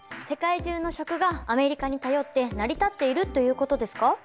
世界中の食がアメリカに頼って成り立っているということですか？